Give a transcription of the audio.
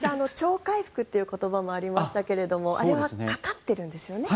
超回復という言葉もありましたがあれはかかってるんですよね。